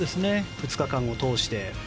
２日間を通して。